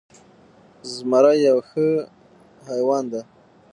زمری یو ښه حیوان ده